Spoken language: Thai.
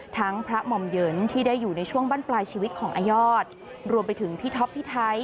พระหม่อมเหยินที่ได้อยู่ในช่วงบั้นปลายชีวิตของอายอดรวมไปถึงพี่ท็อปพี่ไทย